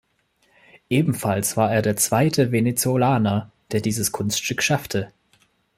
Ebenfalls war er der zweite Venezolaner, der dieses Kunststück schaffte.